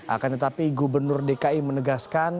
akan tetapi gubernur dki menegaskan